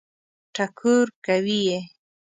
ټکور کوي یې.